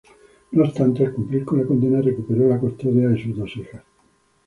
No obstante, al cumplir con la condena, recuperó la custodia de sus dos hijas.